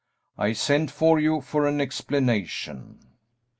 I sent for you for an explanation."